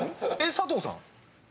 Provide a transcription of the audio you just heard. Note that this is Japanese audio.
佐藤さん？